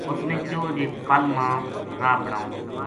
اس نے کہیو جے پل ما راہ بناؤں